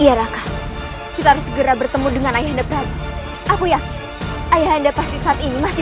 iyaraka kita harus segera bertemu dengan ayah depan aku yang ayah anda pasti saat ini masih